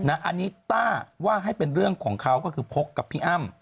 อันนี้ต้าว่าให้เป็นเรื่องของเขาก็คือพกกับพี่อ้ำ